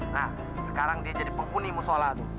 nah sekarang dia jadi penghuni musola tuh